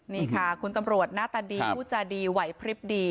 นี่ค่ะคุณตำรวจหน้าตาดีผู้จาดีไหวพลิบดี